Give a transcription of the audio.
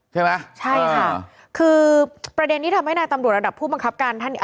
ใช่ไหมใช่ค่ะคือประเด็นที่ทำให้นายตำรวจระดับผู้บังคับการท่าน